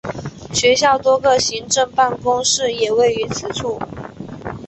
学校多个行政办公室也位于此处。